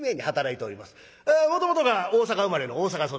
もともとが大阪生まれの大阪育ち。